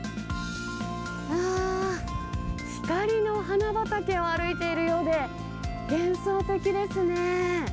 あー、光のお花畑を歩いているようで、幻想的ですね。